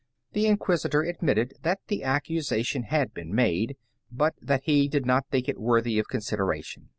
The Inquisitor admitted that the accusation had been made, but that he did not think it worthy of consideration.